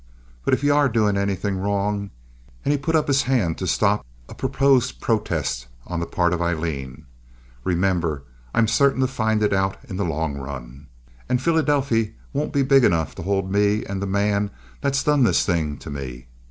But if ye are doin' anythin' wrong"—and he put up his hand to stop a proposed protest on the part of Aileen—"remember, I'm certain to find it out in the long run, and Philadelphy won't be big enough to hold me and the man that's done this thing to me.